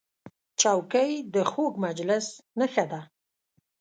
چوکۍ د خوږ مجلس نښه ده.